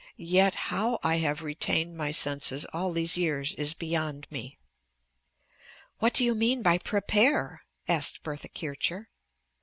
Yet how I have retained my senses all these years is beyond me." "What do you mean by prepare?" asked Bertha Kircher.